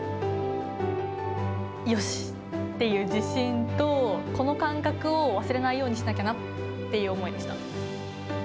よし！っていう自信と、この感覚を忘れないようにしなきゃなっていう思いでした。